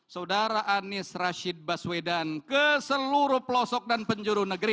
saudara anies rashid baswedan ke seluruh pelosok dan penjuru negeri